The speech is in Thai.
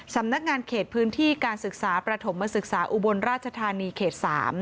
สำนักงานเขตพื้นที่การศึกษาประถมศึกษาอุบลราชธานีเขต๓